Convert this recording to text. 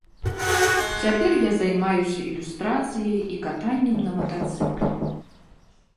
Цяпер я займаюся ілюстрацыяй і катаннем на матацыкле.